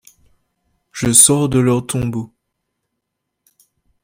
Je sors de leurs tombeaux.